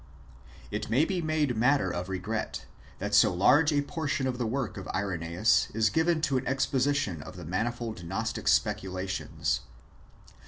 It may be made matter of regret, that so large a portion of the work of Irenseus is given to an exposition of the mani fold Gnostic speculations.